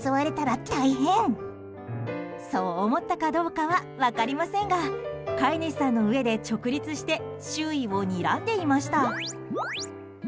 そう思ったかどうかは分かりませんが飼い主さんの上で直立して周囲をにらんでいました。